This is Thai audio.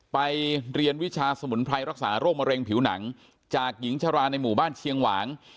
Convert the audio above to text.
ไปเรียนวิชาสมุนไพรรักษาโรคมะเร็งผิวหนังจากหญิงชราในหมู่บ้านเชียงหวาง